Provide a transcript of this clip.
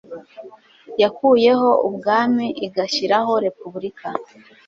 yakuyeho ubwami igashyiraho repubulika